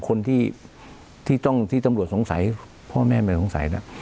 คนที่ต้องที่ตำรวจสงสัยพ่อแม่ไม่สงสัยนะ